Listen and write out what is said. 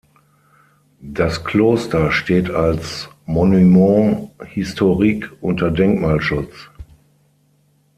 Das Kloster steht als Monument historique unter Denkmalschutz.